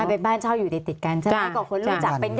มาไปบ้านเช่าอยู่ติดกันใช่ไหม